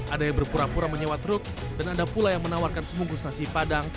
ada yang berpura pura menyewa truk dan ada pula yang menawarkan sebungkus nasi padang